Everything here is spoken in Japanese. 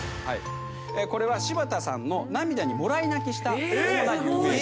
これは柴田さんの涙にもらい泣きした主な有名人。